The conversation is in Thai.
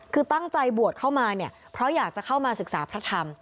คือตั้งใจบวชเข้ามาเนี่ยเพราะอยากจะเข้ามาศึกษาพระธรรม